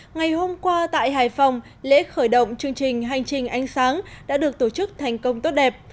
ngày hôm qua tại hải phòng lễ khởi động chương trình hành trình ánh sáng đã được tổ chức thành công tốt đẹp